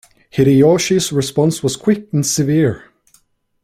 Hideyoshi's response was quick and severe.